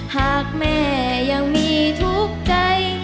หากแม่ยังมีทุกข์ใจ